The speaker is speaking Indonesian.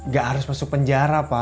gak harus masuk penjara pak